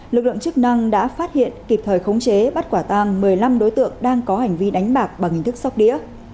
lực lượng chức năng đã phát hiện kịp thời khống chế bắt quả tang một mươi năm đối tượng đang có hành vi đánh bạc bằng hình thức sóc đĩa